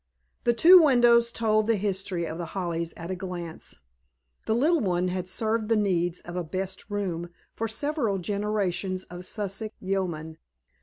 The two windows told the history of The Hollies at a glance. The little one had served the needs of a "best" room for several generations of Sussex yeomen.